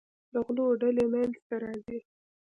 د غلو ډلې منځته راځي.